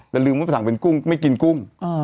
แล้วลืมโดยประหลาดเป็นกุ้งไม่กินกุ้ง